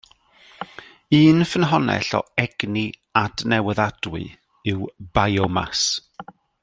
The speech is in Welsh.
Un ffynhonnell o egni adnewyddadwy yw biomas.